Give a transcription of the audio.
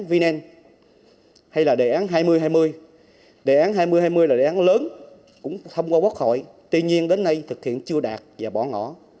đề án vnen hay là đề án hai nghìn hai mươi đề án hai nghìn hai mươi là đề án lớn cũng thông qua quốc hội tuy nhiên đến nay thực hiện chưa đạt và bỏ ngỏ